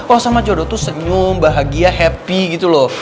oh sama jodoh tuh senyum bahagia happy gitu loh